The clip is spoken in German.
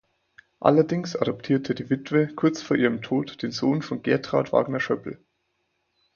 Allerdings adoptierte die Witwe kurz vor ihrem Tod den Sohn von Gertraud Wagner-Schöppl.